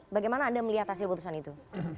bagaimana anda melihat hasil putusan itu